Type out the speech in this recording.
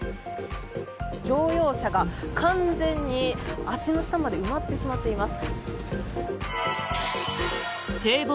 乗用車が完全に足の下まで埋まってしまっています。